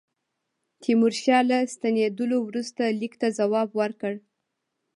تیمورشاه له ستنېدلو وروسته لیک ته جواب ورکړ.